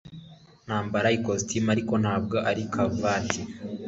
Nambara ikositimu ariko ntabwo ari karuvati